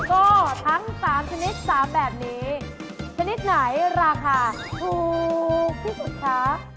ชนิดไหนราคาถูกที่สุดคะ